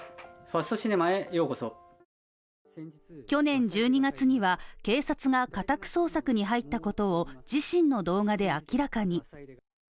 去年１２月には警察が家宅捜索に入ったことを自身の動画で明らかに。